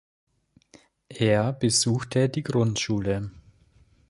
Er besuchte die Grundschule.